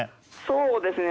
そうですね。